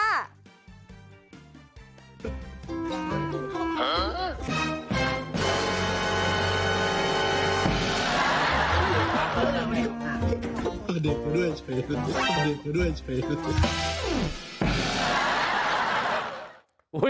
เด็กเค้าด้วยใช่หรือ